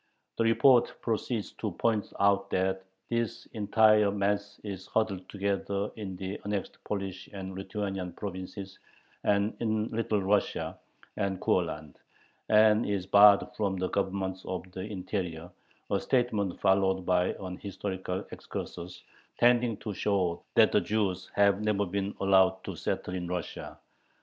The report proceeds to point out that this entire mass is huddled together in the annexed Polish and Lithuanian provinces and in Little Russia and Courland, and is barred from the Governments of the interior a statement followed by an historical excursus tending to show that "the Jews have never been allowed to settle in Russia."